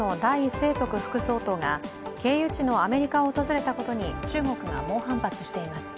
清徳副総統が経由地のアメリカを訪れたことに中国が猛反発しています。